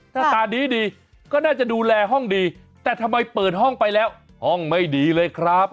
ถ้าตาดีก็น่าจะดูแลห้องดีแต่ทำไมเปิดห้องไปแล้วห้องไม่ดีเลยครับ